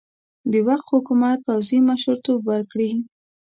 د وخت حکومت پوځي مشرتوب ورکړي.